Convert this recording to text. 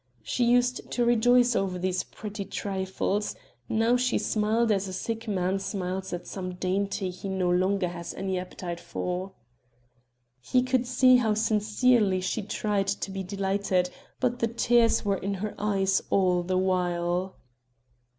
She used to rejoice over these pretty trifles now she smiled as a sick man smiles at some dainty he no longer has any appetite for. He could see how sincerely she tried to be delighted, but the tears were in her eyes all the while.